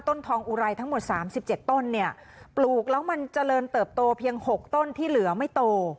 ทองอุไรทั้งหมด๓๗ต้นเนี่ยปลูกแล้วมันเจริญเติบโตเพียง๖ต้นที่เหลือไม่โต